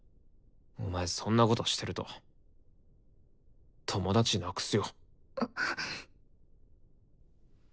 お前そんなことしてると友達なくすよ。